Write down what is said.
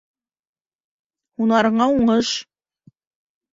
— Һунарыңа уңыш!